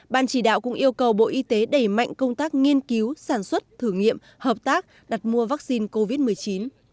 ban chỉ đạo cũng yêu cầu bộ y tế đẩy mạnh công tác nghiên cứu sản xuất thử nghiệm hợp tác đặt mua vaccine covid một mươi chín